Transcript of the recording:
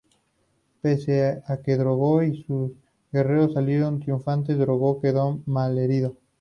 Pese a que Drogo y sus guerreros salieron triunfantes, Drogo quedó malherido.